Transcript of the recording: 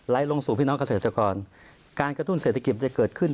ลงสู่พี่น้องเกษตรกรการกระตุ้นเศรษฐกิจจะเกิดขึ้น